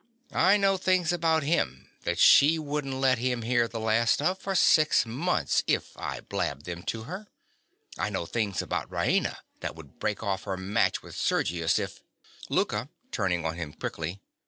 I know things about him that she wouldn't let him hear the last of for six months if I blabbed them to her. I know things about Raina that would break off her match with Sergius if— LOUKA. (turning on him quickly).